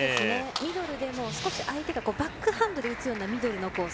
ミドルでも少し相手がバックハンドで打つようなミドルのコース。